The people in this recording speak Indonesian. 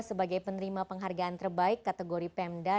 sebagai penerima penghargaan terbaik kategori pemda